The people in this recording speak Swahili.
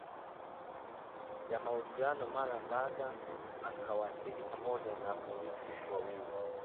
ya Malumbano mara baba akawasili pamoja na polisi wawili